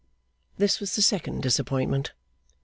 This was the second disappointment.